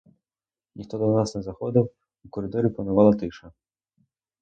Ніхто до нас не заходив, у коридорі панувала тиша.